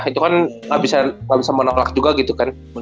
itu kan nggak bisa menolak juga gitu kan